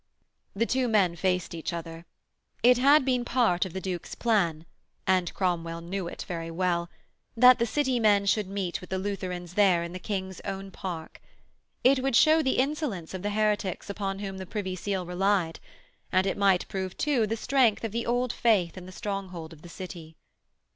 The two men faced each other. It had been part of the Duke's plan and Cromwell knew it very well that the City men should meet with the Lutherans there in the King's own park. It would show the insolence of the heretics upon whom the Privy Seal relied, and it might prove, too, the strength of the Old Faith in the stronghold of the City.